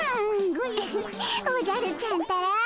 ウフッおじゃるちゃんったら。